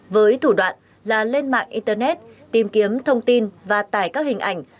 với thủ đoạn là lên mạng internet tìm kiếm thông tin và tải các hình ảnh